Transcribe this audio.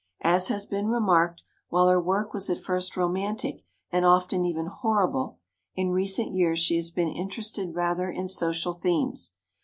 As has been remarked, while her work was at first romantic and often even horrible, in recent years she has been interested rather in social themes.